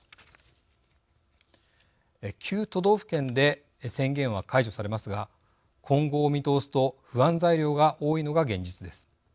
９都道府県で宣言は解除されますが今後を見通すと不安材料が多いのが現実です。